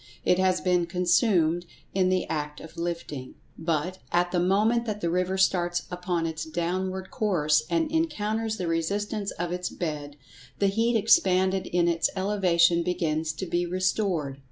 It has been consumed in the act of lifting. But, at the moment that the river starts upon its downward course, and encounters the resistance of its bed, the heat expanded in its elevation begins to be restored.